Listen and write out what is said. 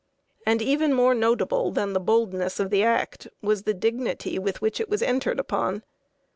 And even more notable than the boldness of the act was the dignity with which it was entered upon.